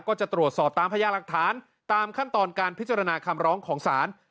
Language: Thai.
ก็จะตรวจสอบตามพยาหลักฐานตามขั้นตอนการพิจารณาคำร้องของศาล